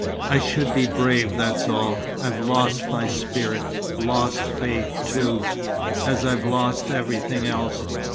"I should be brave, that's all. I've lost my spirit lost faith, too as I've lost everything else.